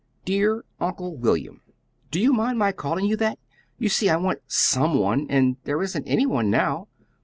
"DEAR UNCLE WILLIAM: Do you mind my calling you that? You see I want SOME one, and there isn't any one now.